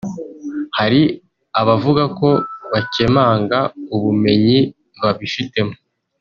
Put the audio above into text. hari abavuga ko bakemanga ubumenyi babifitemo